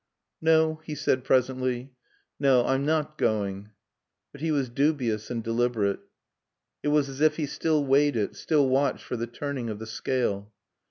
"No," he said presently. "No, I'm not going." But he was dubious and deliberate. It was as if he still weighed it, still watched for the turning of the scale.